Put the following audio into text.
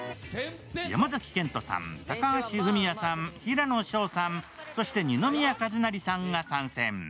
山崎賢人さん、高橋文哉さん、平野紫耀さん、そして二宮和也さんが参戦。